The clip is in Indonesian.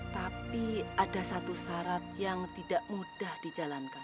tapi ada satu syarat yang tidak mudah dijalankan